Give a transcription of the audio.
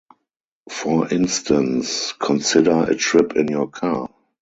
For instance, consider a trip in your car.